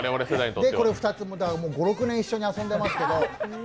これを２つ、５６年一緒に遊んでますけど。